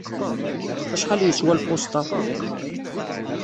Acḥal yeswa lpuṣt-a?